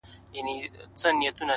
عاجزي د محبوبیت لاره هواروي؛